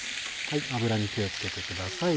油に気を付けてください。